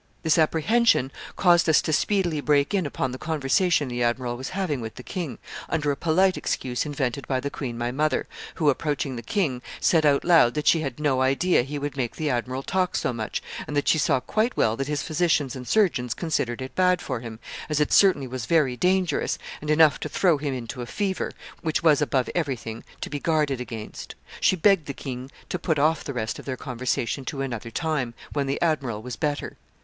This apprehension caused us to speedily break in upon the conversation the admiral was having with the king, under a polite excuse invented by the queen my mother, who, approaching the king, said out loud that she had no idea he would make the admiral talk so much, and that she saw quite well that his physicians and surgeons considered it bad for him, as it certainly was very dangerous, and enough to throw him into a fever, which was, above everything, to be guarded against. She begged the king to put off the rest of their conversation to another time, when the admiral was better.